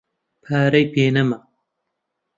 پارەی پێ نەما.